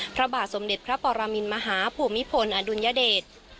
พระบาทสมเด็จพระปรมินมหาภูมิพลอดุลยเดช